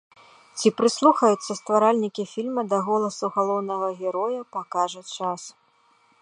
Ці прыслухаюцца стваральнікі фільма да голасу галоўнага героя, пакажа час.